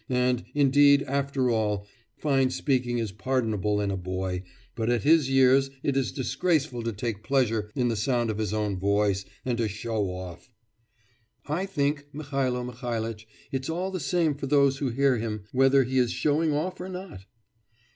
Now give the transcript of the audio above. And indeed, after all, fine speaking is pardonable in a boy, but at his years it is disgraceful to take pleasure in the sound of his own voice, and to show off!' 'I think, Mihailo Mihailitch, it's all the same for those who hear him, whether he is showing off or not.